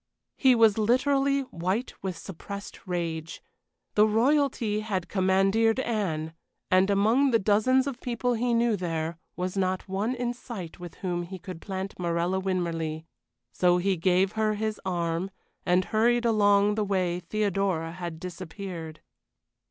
He was literally white with suppressed rage. The Royalty had commandeered Anne, and among the dozens of people he knew there was not one in sight with whom he could plant Morella Winmarleigh; so he gave her his arm, and hurried along the way Theodora had disappeared.